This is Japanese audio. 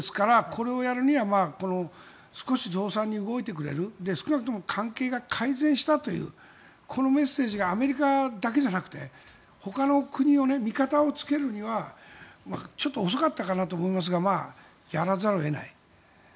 これをやるには少し増産に動いてくれる少なくとも関係が改善したというこのメッセージがアメリカだけじゃなくて他の国を味方につけるにはちょっと遅かったかなとも思いますがやらざるを得ない。